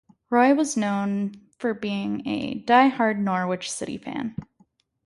Roy was known for being a die-hard Norwich City fan.